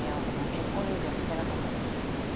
結婚指輪してなかったのよ。